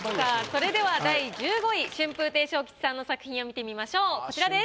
それでは第１５位春風亭昇吉さんの作品を見てみましょうこちらです。